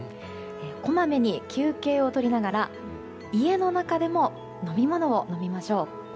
こまめに休憩を取りながら家の中でも飲み物を飲みましょう。